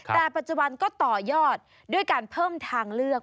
แต่ปัจจุบันก็ต่อยอดด้วยการเพิ่มทางเลือก